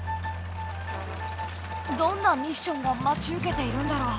どんなミッションが待ち受けているんだろう？